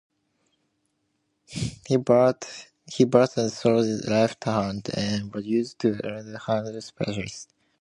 He bats and throws left-handed, and was used as a left-handed specialist.